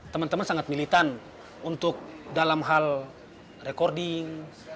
teman teman sangat militan untuk dalam hal recording